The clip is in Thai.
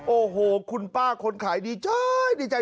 โอ้โหคุณป้าคนขายดีใจดีใจ